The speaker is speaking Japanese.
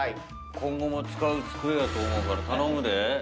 今後も使う机やと思うから頼むで。